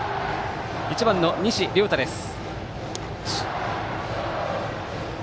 １番の西稜太です。